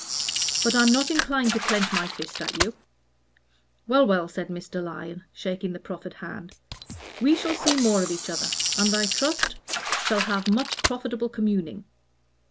"But I'm not inclined to clench my fist at you." "Well, well," said Mr. Lyon, shaking the proffered hand, "we shall see more of each other, and I trust shall have much profitable communing.